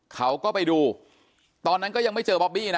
เขาก็ไปดูตอนนั้นก็ยังไม่เจอบอบบี้นะ